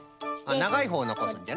ながいほうをのこすんじゃな。